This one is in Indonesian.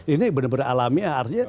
ini benar benar alamiah artinya